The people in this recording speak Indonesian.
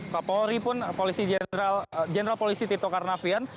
kapolri pun general polisi tito karnavian